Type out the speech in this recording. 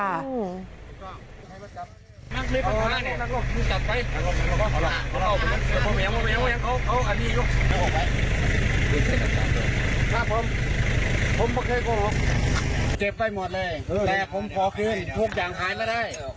ครับผมผมไม่เคยโกหกเก็บไปหมดเลยแต่ผมขอคืนทุกอย่างหายแล้วได้